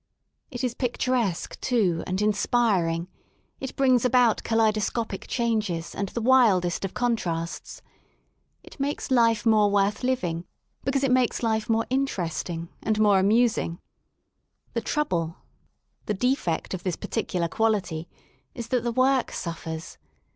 It is pic turesque too, and inspiring, it brings about kaleido scopic changes^ and the wildest of contrasts. It makes life more worth living, because it makes life more in teresting, and more amusing. The trouble, the defect of this particular Quality, is that the work suffers.